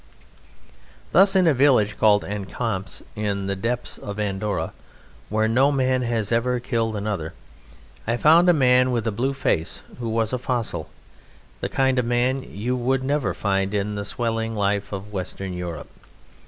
Thus in a village called Encamps, in the depths of Andorra, where no man has ever killed another, I found a man with a blue face, who was a fossil, the kind of man you would never find in the swelling life of Western Europe.